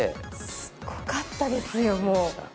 すっごかったですよ、もう。